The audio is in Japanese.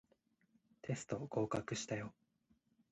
テスト合格したよ